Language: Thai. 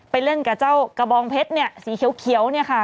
เล่นกับเจ้ากระบองเพชรเนี่ยสีเขียวเนี่ยค่ะ